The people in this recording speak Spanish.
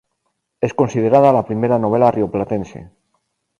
Es considerada la primera novela rioplatense.